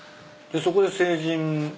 そこで成人。